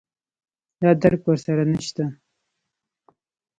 دا درک ور سره نشته